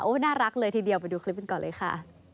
น่ารักเลยทีเดียวไปดูคลิปกันก่อนเลยค่ะ